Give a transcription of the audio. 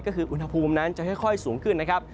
ก็คืออุณหภูมินั้นจะค่อยสูงขึ้นนะครับ